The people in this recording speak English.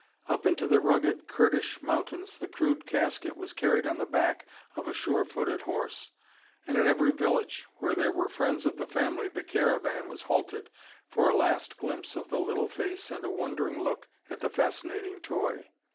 Up into the rugged Kurdish mountains the crude casket was carried on the back of a sure footed horse, and at every village where there were friends of the family the caravan was halted for a last glimpse of the little face and a wondering look at the fascinating toy.